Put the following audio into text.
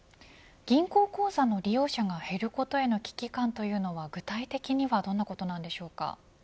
銀行口座の利用者が減ることへの危機感というのは具体的にはどのようなことでしょうか。